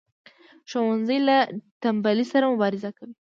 ښوونځی له تنبلی سره مبارزه کوي